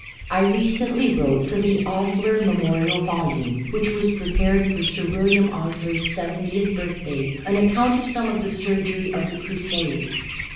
I recently wrote for the "Osier Memorial Volume," which was prepared for Sir William Osier's seventieth birthday, an account of some of the surgery of the Crusades.